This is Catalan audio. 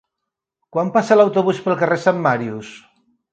Quan passa l'autobús pel carrer Sant Màrius?